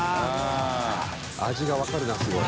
味が分かるなすごい。